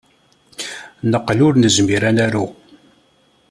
Neqqel ur nezmir ad naru.